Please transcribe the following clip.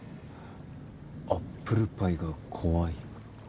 アップルパイが怖い。